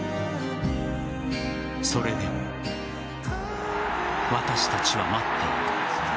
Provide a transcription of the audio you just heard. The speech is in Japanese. それでも私たちは待っている。